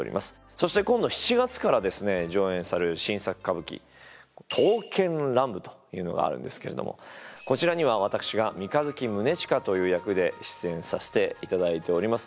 そして今度７月からですね上演される新作歌舞伎「刀剣乱舞」というのがあるんですけれどもこちらには私が三日月宗近という役で出演させていただいております。